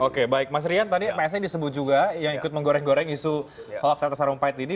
oke baik mas rian tadi psn disebut juga yang ikut menggoreng goreng isu hoaks rata sarumpait ini